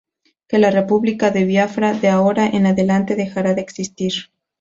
Que la República de Biafra de ahora en adelante dejará de existir.